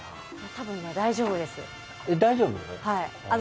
多分、大丈夫です。